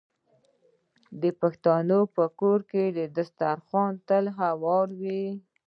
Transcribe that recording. د پښتنو په کور کې دسترخان تل هوار وي.